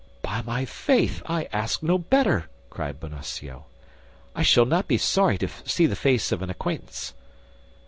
"By my faith, I ask no better," cried Bonacieux; "I shall not be sorry to see the face of an acquaintance."